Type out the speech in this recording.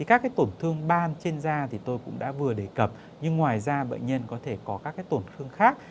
các tổn thương ban trên da thì tôi cũng đã vừa đề cập nhưng ngoài ra bệnh nhân có thể có các tổn thương khác